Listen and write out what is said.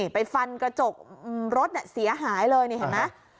ไปฟันกระจกรถเสียหายเลยนี่เห็นไหม